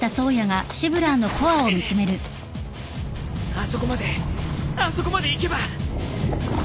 あそこまであそこまで行けば。